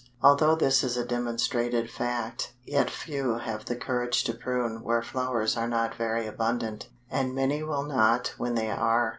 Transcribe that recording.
Although this is a demonstrated fact, yet few have the courage to prune where flowers are not very abundant, and many will not when they are.